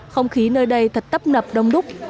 không khí nơi đây thật tấp nập đông đúc